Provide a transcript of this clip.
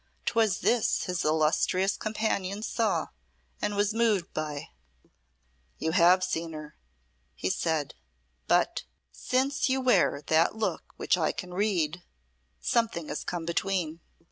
'Twas this his illustrious companion saw and was moved by. "You have seen her," he said, "but since you wear that look which I can read something has come between.